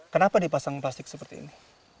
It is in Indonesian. kenapa dipasang plastik seperti ini